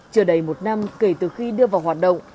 chưa đầy một năm kể từ khi đưa vào hoạt động